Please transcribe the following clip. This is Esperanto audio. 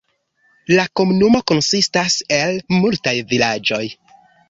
La komunumo konsistas el multaj vilaĝoj.